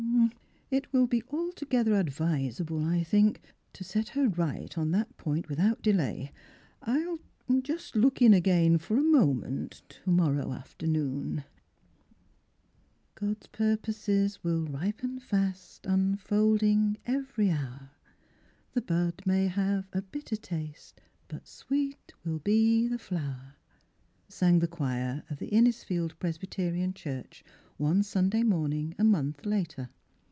*' It will be altogether advisable, I think, to set her right on that point without delay. I will — ah — just look in again for a moment to morrow after noon." The Transfigiiration of "God's purposes will ripen fast, Unfolding every hour. The bud may have a bitter taste, But sweet will be the flower !" sang the choir of the Innis field Presbyterian Church one Sunday morning a month later.